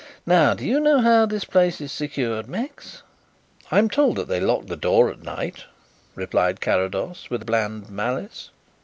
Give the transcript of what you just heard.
Now do you know how this place is secured, Max?" "I am told that they lock the door at night," replied Carrados, with bland malice.